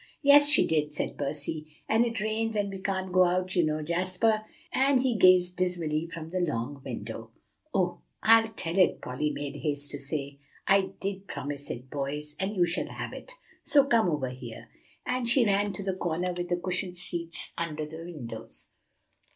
"Yes, she did," said Percy; "and it rains, and we can't go out, you know, Jasper," and he gazed dismally from the long window. "Oh, I'll tell it!" Polly made haste to say. "I did promise it, boys, and you shall have it, so come over here;" and she ran to the corner with the cushioned seats under the windows.